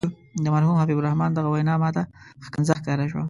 د مرحوم حبیب الرحمن دغه وینا ماته ښکنځا ښکاره شوه.